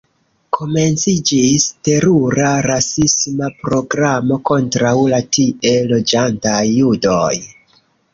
Komenciĝis terura rasisma programo kontraŭ la tie loĝantaj judoj.